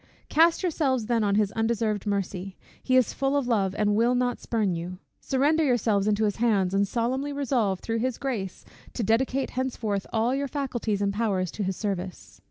Cast yourselves then on his undeserved mercy; he is full of love, and will not spurn you: surrender yourselves into his hands, and solemnly resolve, through his Grace, to dedicate henceforth all your faculties and powers to his service.